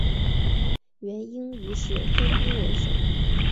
元英于是分兵围守。